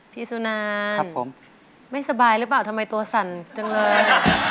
สุนาไม่สบายหรือเปล่าทำไมตัวสั่นจังเลย